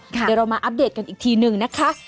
เดี๋ยวเรามาอัปเดตกันอีกทีหนึ่งนะคะ